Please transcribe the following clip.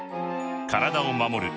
体を守る